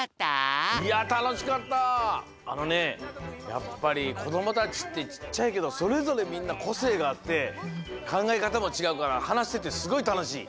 やっぱりこどもたちってちっちゃいけどそれぞれみんなこせいがあってかんがえかたもちがうからはなしててすごいたのしい。